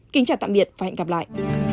kính chào tạm biệt và hẹn gặp lại